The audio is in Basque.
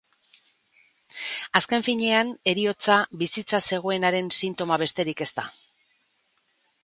Azken finean, heriotza bizitza zegoenaren sintoma besterik ez da